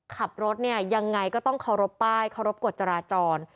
ขับรถเนี่ยยังไงก็ต้องเคารพป้ายเคารพกฎจราจร